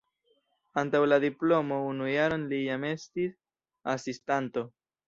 Antaŭ la diplomo unu jaron li jam estis asistanto.